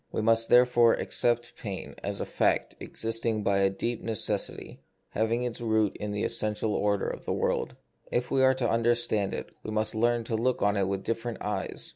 We must, therefore, accept pain as a fact existing by a deep necessity, having its root in the essential order of the world. If we are to understand it, we must learn to look on it with different eyes.